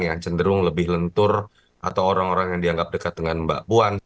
yang cenderung lebih lentur atau orang orang yang dianggap dekat dengan mbak puan